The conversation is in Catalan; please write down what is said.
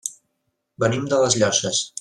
Venim de les Llosses.